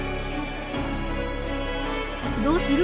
どうする？